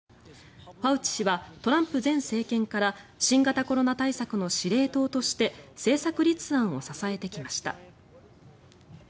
ファウチ氏はトランプ前政権から新型コロナ対策の司令塔として政策立案を支えてきました。